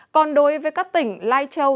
còn đối với các tỉnh lai châu